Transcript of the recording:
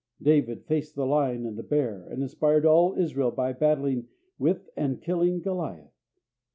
David faced the lion and the bear, and inspired all Israel by battling with and killing Goliath.